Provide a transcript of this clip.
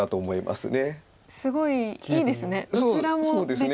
すごいいいですね